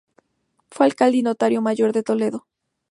Fue alcalde y notario mayor de Toledo.